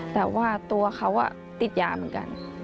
แต่ว่าตัวเขาติดยาเหมือนกัน